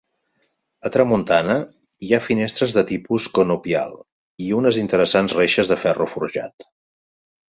A tramuntana hi ha finestres de tipus conopial i unes interessants reixes de ferro forjat.